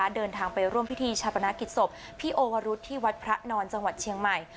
เดินทางไปร่วมพิธีชาปนากิจศพพี่โอวรุธที่วัดพระนอนจังหวัดเชียงใหม่